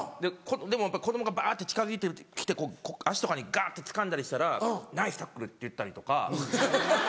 でもやっぱ子供がバって近づいて来て足とかにガンってつかんだりしたらナイスタックル！って言ったりとか。